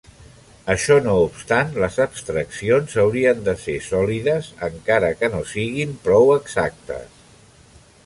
Això no obstant, les abstraccions haurien de ser sòlides, encara que no siguin prou exactes.